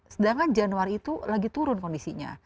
sedangkan januari itu lagi turun kondisinya